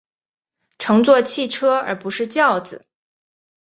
乘坐汽车而不是轿子